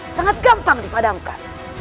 sangat gampang dipadamkan